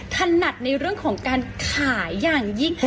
ถนัดในเรื่องของการขายอย่างยิ่ง